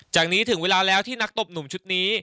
จากนี้ถึงเวลาแล้วที่นักตบหนุ่มชุดนี้